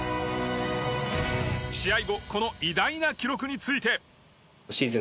試合後この偉大な記録について。